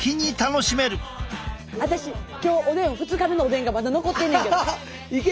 あたし今日おでん２日目のおでんがまだ残ってんねんけど。